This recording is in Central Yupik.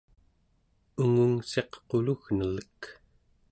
ungungssiq qulugnelek